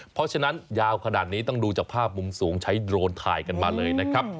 เพราะฉะนั้นยาวขนาดนี้ต้องดูจากภาพมุมสูงใช้โดรนถ่ายกันมาเลยนะครับ